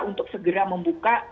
untuk segera membuka